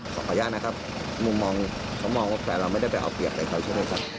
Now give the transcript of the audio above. ขออนุญาตนะครับมุมมองเขามองว่าแฟนเราไม่ได้ไปเอาเปรียบอะไรเขาใช่ไหมครับ